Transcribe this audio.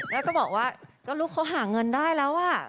ก็บอกว่าก็ลูกเขาหาเงินได้แล้วอ่ะ